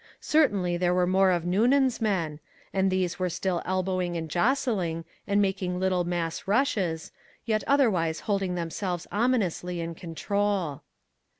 Certainly there were more of Noonan's men, and these were still elbowing and jostling, and making little mass rushes yet otherwise holding themselves ominously in control.